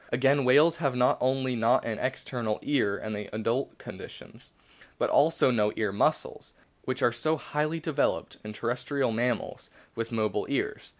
Again, whales have not only not an external ear (in the adult con dition), but also no ear muscles, which are so highly developed in terrestrial mammals with mobile ears.